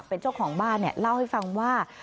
เป็นเจ้าของบ้านเนี่ยเล่าให้ฟังว่า